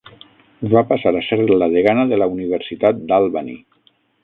Va passar a ser la degana de la Universitat d'Albany.